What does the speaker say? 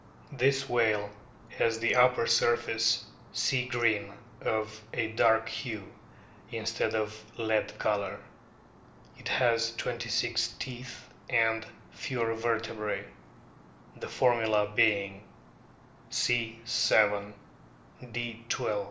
This whale has the upper surface sea green, of a dark hue, instead of lead colour. It has twenty six teeth and fewer vertebrae, the formula being : C. 7 ; D. 12; L.